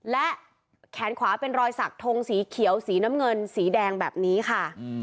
และแขนขวาเป็นรอยสักทงสีเขียวสีน้ำเงินสีแดงแบบนี้ค่ะ